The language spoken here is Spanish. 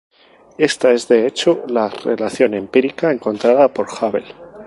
Ésta es de hecho la relación empírica encontrada por Hubble.